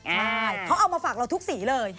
ใช่เขาเอามาฝากเราทุกสีเลย